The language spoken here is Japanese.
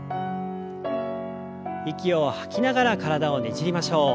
息を吐きながら体をねじりましょう。